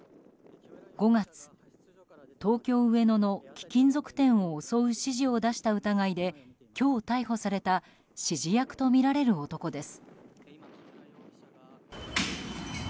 ５月、東京・上野の貴金属店を襲う指示を出した疑いで今日逮捕された指示役とみられる男です。